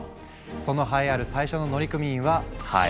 その栄えある最初の乗組員はハエ。